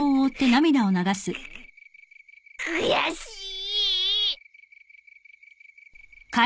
ぐ悔しい